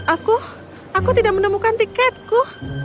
aku aku tidak menemukan tiketku